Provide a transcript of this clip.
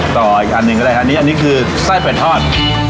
ต่ออีกคันหนึ่งก็ได้ครับนี่อันนี้คือไส้เป็ดทอด